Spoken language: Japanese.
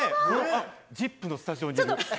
『ＺＩＰ！』のスタジオにいる。